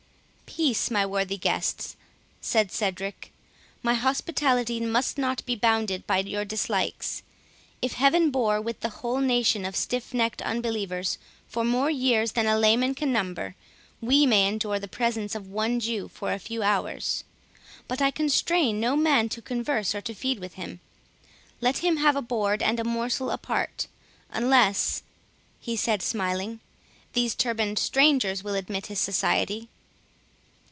"Peace, my worthy guests," said Cedric; "my hospitality must not be bounded by your dislikes. If Heaven bore with the whole nation of stiff necked unbelievers for more years than a layman can number, we may endure the presence of one Jew for a few hours. But I constrain no man to converse or to feed with him.—Let him have a board and a morsel apart,—unless," he said smiling, "these turban'd strangers will admit his society."